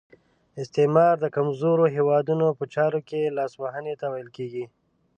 استعمار د کمزورو هیوادونو په چارو کې لاس وهنې ته ویل کیږي.